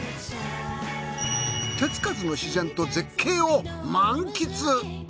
手付かずの自然と絶景を満喫。